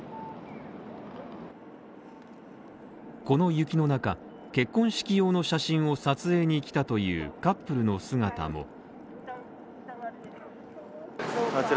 この雪の中、結婚式用の写真を撮影に来たというカップルの姿も。